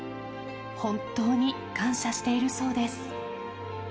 本当に感謝しているそうです。